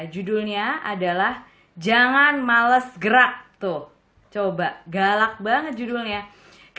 jangan males gerak